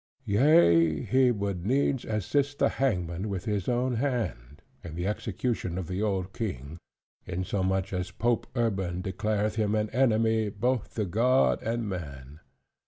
Yea, he would needs assist the hangman with his own hand, in the execution of the old king; in so much as Pope Urban declareth him an enemy both to God and man.